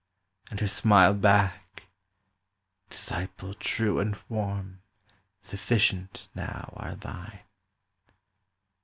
And her smile back: "Disciple true and warm, Sufficient now are thine."